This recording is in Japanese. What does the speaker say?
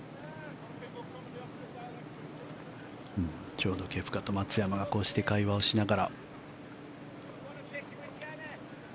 ちょうどケプカと松山がこうして会話をしながら。